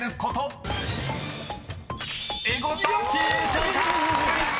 ［正解！］